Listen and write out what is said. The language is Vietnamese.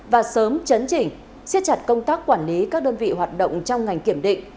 và sớm chấn chỉnh siết chặt công tác quản lý các đơn vị hoạt động trong ngành kiểm định